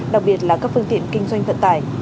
đặc biệt là các phương tiện kinh doanh vận tải